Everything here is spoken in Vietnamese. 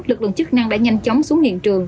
lực lượng chức năng đã nhanh chóng xuống hiện trường